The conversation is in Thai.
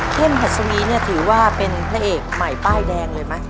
หัสวีเนี่ยถือว่าเป็นพระเอกใหม่ป้ายแดงเลยไหม